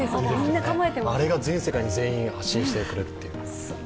あれが全世界に全員発信してくれるという。